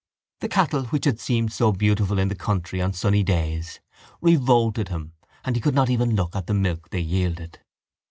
The cattle which had seemed so beautiful in the country on sunny days revolted him and he could not even look at the milk they yielded.